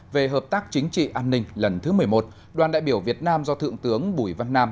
về hợp tác chính trị an ninh lần thứ một mươi một đoàn đại biểu việt nam do thượng tướng bùi văn nam